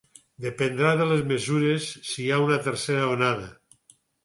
Dependrà de les mesures si hi ha una tercera onada.